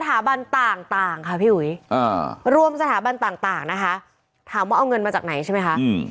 สถาบันต่างต่างค่ะพี่อุ๋ยอ่ารวมสถาบันต่างต่างนะคะถามว่าเอาเงินมาจากไหนใช่ไหมคะอืม